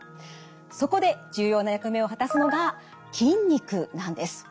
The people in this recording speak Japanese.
そこで重要な役目を果たすのが筋肉なんです。